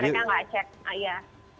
dia bisa kuat